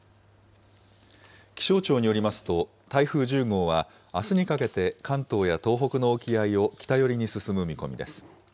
気象庁によりますと、台風１０号はあすにかけて、関東や東北の沖合を北寄りに進む見込みです。